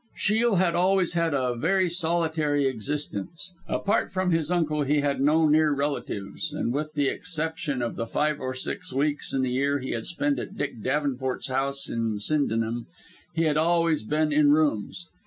Shiel had always led a very solitary existence. Apart from his uncle he had no near relatives, and with the exception of the five or six weeks in the year he had spent at Dick Davenport's house at Sydenham, he had always been in rooms.